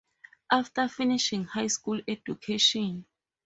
After finishing high school education.